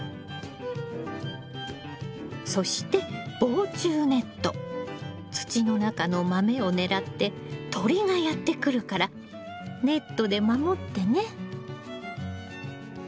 そして土の中のマメを狙って鳥がやって来るからネットで守ってね。